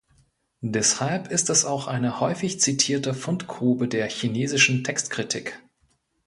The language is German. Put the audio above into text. Deshalb ist es auch eine häufig zitierte Fundgrube der chinesischen Textkritik.